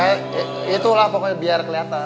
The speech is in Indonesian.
itulah pokoknya biar kelihatan